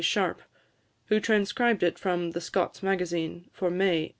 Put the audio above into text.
Sharpe, who transcribed it from the Scots Magazine for May 1805.